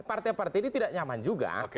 partai partai ini tidak nyaman juga